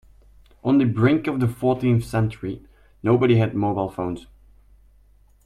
On the brink of the fourteenth century, nobody had mobile phones.